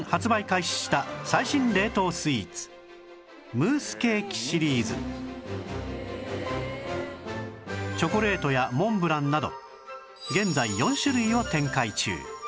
開始した最新冷凍スイーツムースケーキシリーズチョコレートやモンブランなど現在４種類を展開中